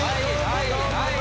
はいはい。